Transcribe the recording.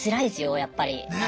やっぱり。